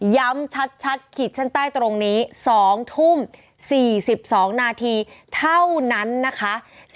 ย้ำชัดขีดเส้นใต้ตรงนี้๒ทุ่ม๔๒นาทีเท่านั้นนะคะ